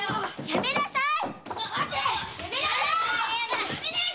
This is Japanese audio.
やめなさい！